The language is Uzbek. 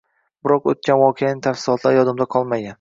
Biroq o‘tgan voqealarning tafsilotlari yodida qolmagan